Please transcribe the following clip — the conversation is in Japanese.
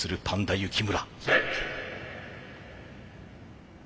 幸村！